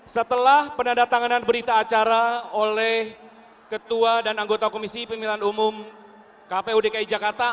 setelah penandatanganan berita acara oleh ketua dan anggota komisi pemilihan umum kpu dki jakarta